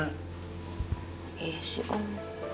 iya sih om